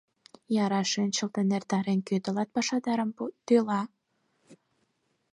Яра шинчылтын эртарен, кӧ тылат пашадарым тӱла?